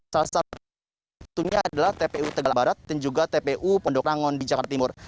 salah satunya adalah tpu tegal barat dan juga tpu pondok rangon di jakarta timur